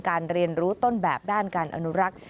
เรียนรู้ต้นแบบด้านการอนุรักษ์